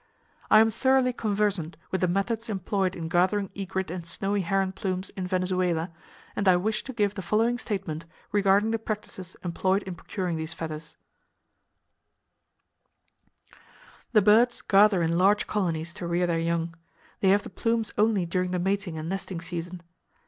I am thoroughly conversant with the methods employed in gathering egret and snowy heron plumes in Venezuela, and I wish to give the following statement regarding the practices employed in procuring these feathers: "The birds gather in large colonies to rear their young. They have the plumes only during the mating and nesting season.